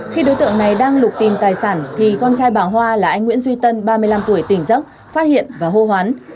khi đối tượng này đang lục tìm tài sản thì con trai bà hoa là anh nguyễn duy tân ba mươi năm tuổi tỉnh dốc phát hiện và hô hoán